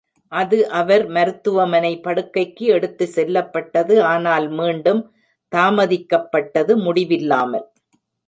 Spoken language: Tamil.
அது அவர் மருத்துவமனை படுக்கைக்கு எடுத்து செல்லப்பட்டது ஆனால் மீண்டும் தாமதிக்கப்பட்டது, முடிவில்லாமல்.